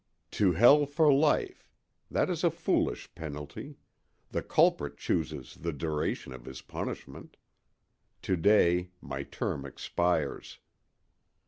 "To Hell for life"—that is a foolish penalty: the culprit chooses the duration of his punishment. To day my term expires.